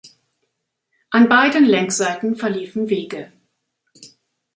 An beiden Längsseiten verliefen Wege.